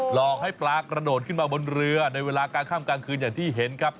หลอกให้ปลากระโดดขึ้นมาบนเรือในเวลากลางข้ามกลางคืนอย่างที่เห็นครับ